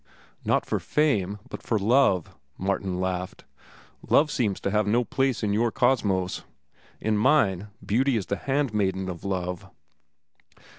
"Not for fame, but for love," Martin laughed. "Love seems to have no place in your Cosmos; in mine, Beauty is the handmaiden of Love."